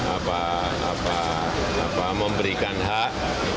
apa apa apa memberikan hak